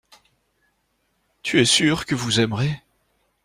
Tu es sûr que vous aimerez.